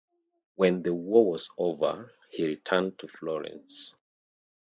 When the war was over, he returned to Florence.